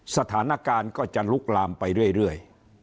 สถานการณ์ก็จะลุกลามไปเรื่อย